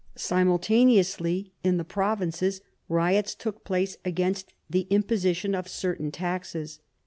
Simultaneously in the provinces riots took place against the imposition of certain taxes.